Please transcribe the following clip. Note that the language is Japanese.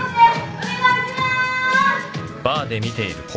お願いします！